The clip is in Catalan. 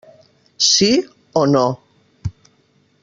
Sí o no.